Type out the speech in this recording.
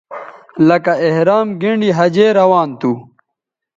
لکہ احرام گینڈی حجے روان تھو